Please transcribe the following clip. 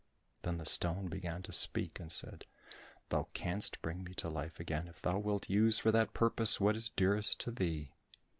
Then the stone began to speak and said, "Thou canst bring me to life again if thou wilt use for that purpose what is dearest to thee."